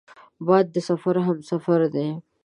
باد د ژوند همسفر دی